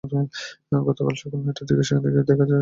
গতকাল সকাল নয়টার দিকে সেখানে গিয়ে দেখা যায় কোনো বাস নেই।